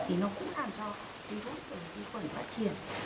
thì nó cũng làm cho vi khuẩn và vi khuẩn phát triển